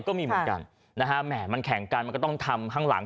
ก็ถึงคือต้องการทำขังหลัง